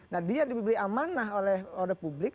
nah dia diberi amanah oleh orang publik